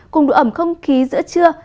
cùng độ ẩm không khí giữa trưa